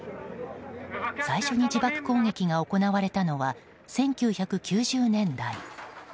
最初に自爆攻撃が行われたのは１９９０年代。